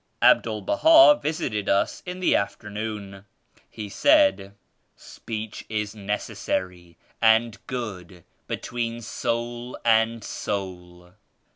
Abdul Baha visited us in the afternoon. He said "Speech is necessary and good between soul and soul.